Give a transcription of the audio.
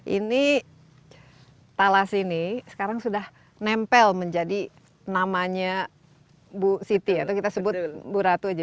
ini talas ini sekarang sudah nempel menjadi namanya bu siti atau kita sebut bu ratu aja